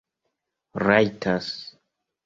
rajtas